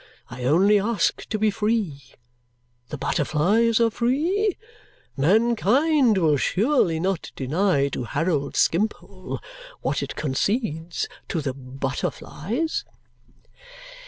I only ask to be free. The butterflies are free. Mankind will surely not deny to Harold Skimpole what it concedes to the butterflies!"